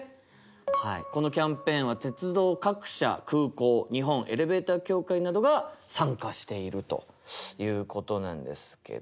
はいこのキャンペーンは鉄道各社空港日本エレベーター協会などが参加しているということなんですけど。